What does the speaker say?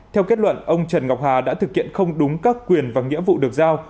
theo kết luận ông trần ngọc hà đã thực hiện không đúng các quyền và nghĩa vụ được giao